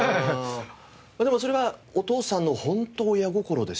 でもそれはお父さんの本当親心ですね。